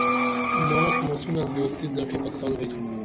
ماڜ مسونہ دوستی دڇھی پکسال بیئتُھن